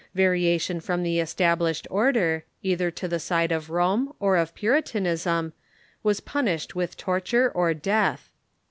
Variation from the established order, either to the side of Rome or of Puritanism, was punished with torture or death.